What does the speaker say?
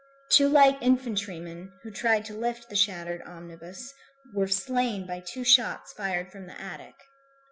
Two light infantrymen, who tried to lift the shattered omnibus, were slain by two shots fired from the attic.